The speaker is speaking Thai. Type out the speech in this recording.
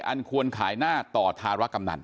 อันควรขายหน้าต่อธารกำนัน